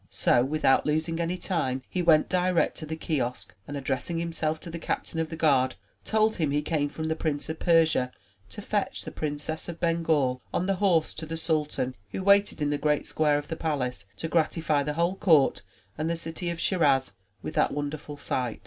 So, without losing any time, he went direct to the kiosk, and addressing himself to the Captain of the Guard, told him he came from the Prince of Persia to fetch the Princess of Bengal on the horse to the sultan, who waited in the great square of the palace to gratify the whole court and the city of Schiraz with that wonderful sight.